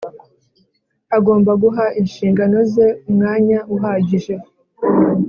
Agomba guha inshingano ze umwanya uhagije